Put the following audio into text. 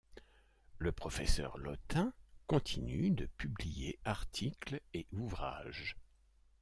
Le professeur Lottin continue de publier articles et ouvrages.